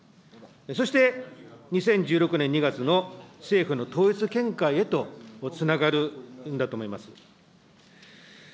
そして２０１６年２月の政府の統一見解へとつながるんだと思います。